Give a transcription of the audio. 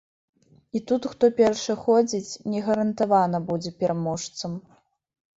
І тут хто першы ходзіць, не гарантавана будзе пераможцам.